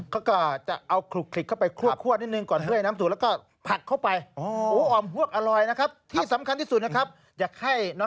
เขาก็จะเอาคลุกเข้าไปคลุกนิดหนึ่งก่อนเพื่อน้ำสูง